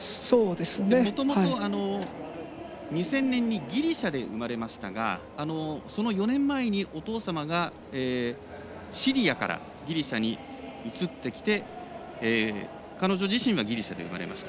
もともと、２０００年にギリシャで生まれましたがその４年前にお父様がシリアからギリシャに移ってきて、彼女自身はギリシャで生まれました。